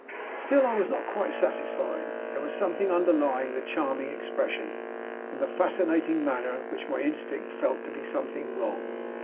Still I was not quite satisfied. There was something underlying the charming expression and the fascinating manner which my instinct felt to be something wrong.